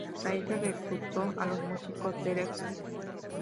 Para ello reclutó a los músicos Derek St.